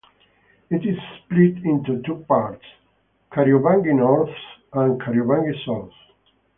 It is split into two parts, "Kariobangi North" and "Kariobangi South".